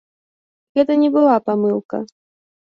Гэта не была памылка.